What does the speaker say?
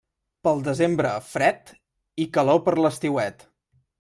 Pel desembre, fred, i calor per l'estiuet.